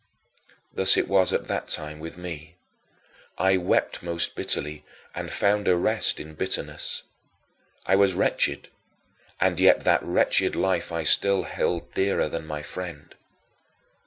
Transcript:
Thus it was at that time with me. I wept most bitterly, and found a rest in bitterness. I was wretched, and yet that wretched life I still held dearer than my friend.